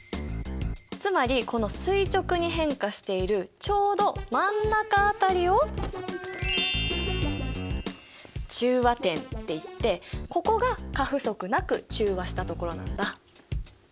つまりこの垂直に変化しているちょうど真ん中辺りを中和点っていってここが過不足なく中和した所なんだ。